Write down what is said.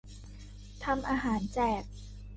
ทำอาหารแจก